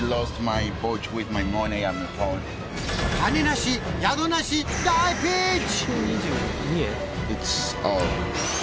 金なし宿なし大ピンチ！